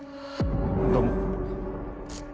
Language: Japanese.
どうも。